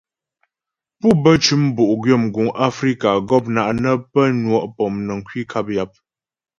Pú bə cʉm bo'gwyə mguŋ Afrika, mgɔpna' ne pə́ nwɔ' pɔmnəŋ kwi nkap yap.